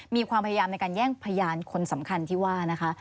มีความพยายามในการแย่งพยานคนสำคัญที่ว่านะคะ